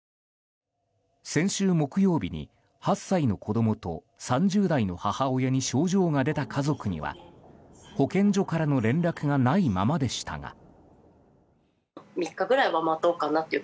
先週木曜日に８歳の子供と３０代の母親に症状が出た家族には保健所からの連絡がないままでしたが。